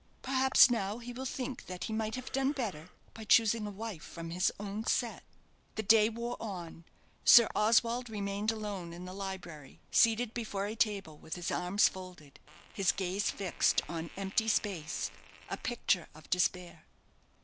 "Perhaps now he will think that he might have done better by choosing a wife from his own set." The day wore on; Sir Oswald remained alone in the library, seated before a table, with his arms folded, his gaze fixed on empty space a picture of despair.